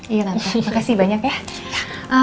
iya nanti banyak ya